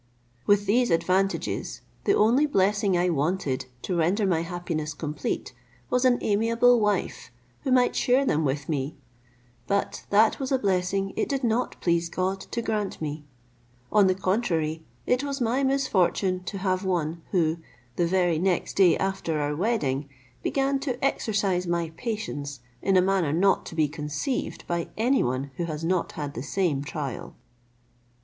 With these advantages, the only blessing I wanted to render my happiness complete was an amiable wife, who might share them with me; but that was a blessing it did not please God to grant me: on the contrary, it was my misfortune to have one, who, the very next day after our wedding, began to exercise my patience in a manner not to be conceived by any one who has not had the same trial.